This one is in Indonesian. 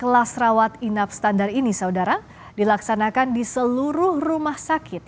kelas rawat inap standar ini saudara dilaksanakan di seluruh rumah sakit